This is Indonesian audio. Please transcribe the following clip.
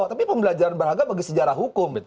tapi pembelajaran beragam bagi sejarah hukum